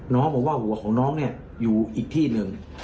น้องบอกว่าหัวของน้องเนี่ยอยู่อีกที่หนึ่ง